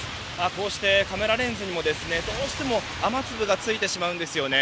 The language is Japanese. こうしてカメラレンズにも雨粒がついてしまうんですよね。